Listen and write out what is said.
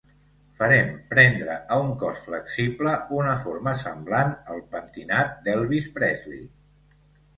Farem prendre a un cos flexible una forma semblant al pentinat d'Elvis Presley.